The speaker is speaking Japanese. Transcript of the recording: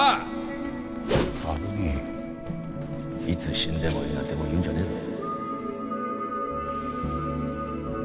「いつ死んでもいい」なんてもう言うんじゃねえぞ。